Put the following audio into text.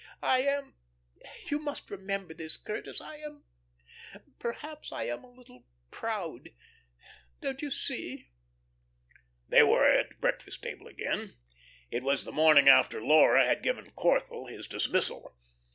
I am you must remember this, Curtis, I am perhaps I am a little proud. Don't you see?" They were at breakfast table again. It was the morning after Laura had given Corthell his dismissal.